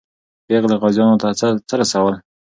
پېغلې غازیانو ته څه رسول؟